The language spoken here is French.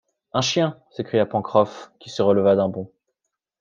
Un chien ! s’écria Pencroff, qui se releva d’un bond